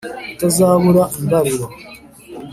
Utazabura imbariro